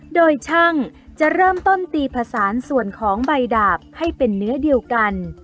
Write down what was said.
โดยช่างจะเริ่มต้นตีผสานส่วนของใบดาบให้เป็นเนื้อเดียวกัน